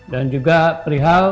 dan juga perihal